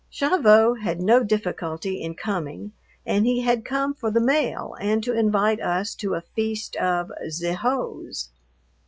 Gavotte had no difficulty in coming, and he had come for the mail and to invite us to a feast of "ze hose."